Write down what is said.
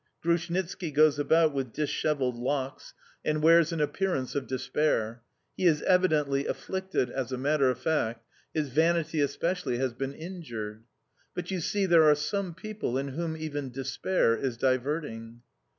Grushnitski goes about with dishevelled locks, and wears an appearance of despair: he is evidently afflicted, as a matter of fact; his vanity especially has been injured. But, you see, there are some people in whom even despair is diverting!...